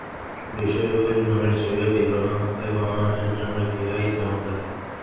বিষয়ভোগের জন্য মানুষ যেভাবে তীব্র আকাঙ্ক্ষা করে, ভগবানের জন্য কেহই তেমন করে না।